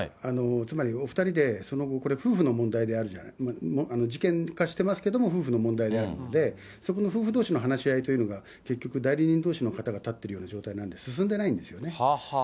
つまりお２人で、その後、これ、夫婦の問題で、事件化してますけども、夫婦の問題であるので、そこの夫婦どうしの話し合いというのが、結局、代理人どうしの方が立っている状態なんで、進んでいないんですね。